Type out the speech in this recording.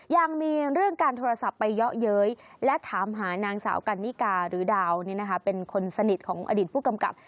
ยังมีเรื่องการโทรศัพท์ไปเยาะเย้ยและถามหานางสาวกันนิกาหรือดาวเป็นคนสนิทของอดีตผู้กำกับ